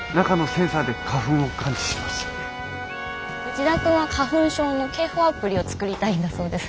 内田君は花粉症の警報アプリを作りたいんだそうです。